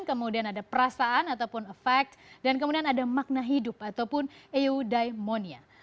kemudian ada perasaan ataupun efek dan kemudian ada makna hidup ataupun audiemonia